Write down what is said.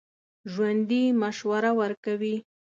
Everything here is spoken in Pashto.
ژوندي مشوره ورکوي